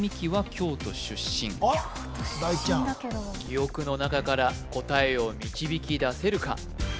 京都出身だけど記憶の中から答えを導き出せるか？